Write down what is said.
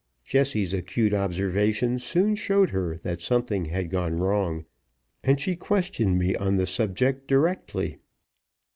Jessie's acute observation soon showed her that something had gone wrong, and she questioned me on the subject directly.